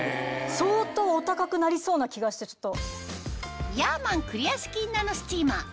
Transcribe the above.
相当お高くなりそうな気がしてちょっと。